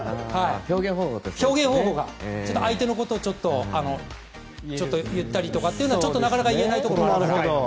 表現方法、相手のことをちょっと言ったりとかっていうのはなかなか言えないことなので。